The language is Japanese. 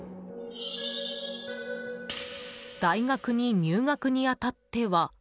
「大学に入学に当っては」